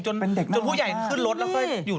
จนผู้ใหญ่ขึ้นรถแล้วก็หยุด